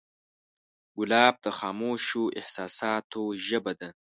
ګلاب د خاموشو احساساتو ژبه ده.